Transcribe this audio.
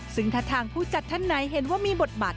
ซึ่งถ้าทางผู้จัดท่านไหนเห็นว่ามีบทบาท